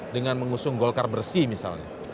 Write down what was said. dengan mengusung golkar bersih misalnya